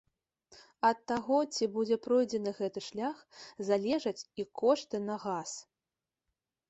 Ад таго, ці будзе пройдзены гэты шлях, залежаць і кошты на газ.